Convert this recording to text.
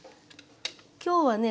今日はね